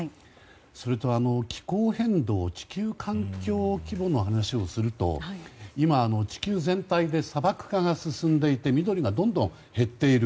それと、気候変動地球環境規模の話をすると今、地球全体で砂漠化が進んでいて緑がどんどん減っている。